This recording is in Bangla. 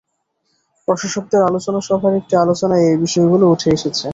প্রশাসকদের আলোচনাসভার একটি আলোচনায় এই বিষয়গুলো উঠে এসেছে।